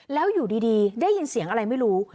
แล้วอยู่ดีได้ยินเสียงอะไรไม่รู้